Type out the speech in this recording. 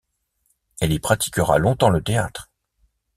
Elle y pratiquera longtemps le théâtre.